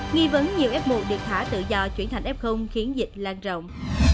nghi vấn nhiều f một được thả tự do chuyển thành f khiến dịch lan rộng